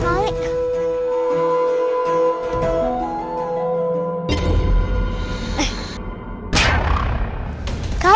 kak itu bonekanya